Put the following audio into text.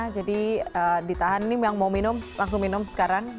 jadi ditahan ini yang mau minum langsung minum sekarang